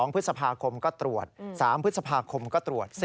๒พฤษภาคมก็ตรวจ๓พฤษภาคมก็ตรวจ